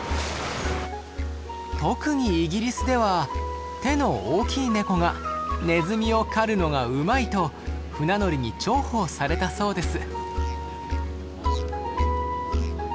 特にイギリスでは手の大きいネコがネズミを狩るのがうまいと船乗りに重宝されたそうです。